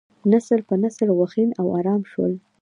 نسل په نسل غوښین او ارام شول.